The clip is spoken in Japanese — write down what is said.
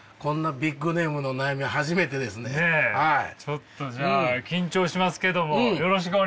ちょっとじゃあ緊張しますけどもよろしくお願いします。